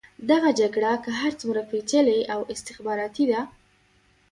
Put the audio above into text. دغه جګړه که هر څومره پېچلې او استخباراتي ده.